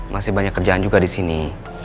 masih banyak kerjaan juga disini